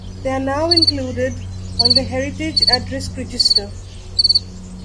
They are now included on the Heritage at Risk register.